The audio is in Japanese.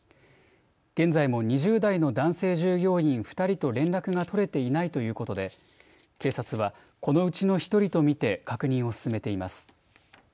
現在も２０代の男性従業員２人と連絡が取れていないということで警察はこのうちの１人と見て確認を進めています。